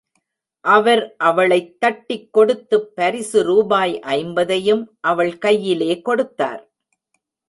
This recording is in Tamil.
அவர் அவளைத் தட்டிக் கொடுத்துப் பரிசு ரூபாய் ஐம்பதையும் அவள் கையிலே கொடுத்தார்.